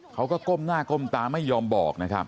ก้มหน้าก้มตาไม่ยอมบอกนะครับ